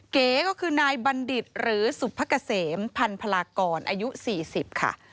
เก๋ก็คือนายบัณฑิตหรือสุภกเกษมพันพลากรอายุ๔๐ค่ะ